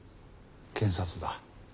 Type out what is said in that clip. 検察だ。